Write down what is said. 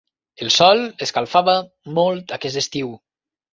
El sol escalfava molt aquest estiu.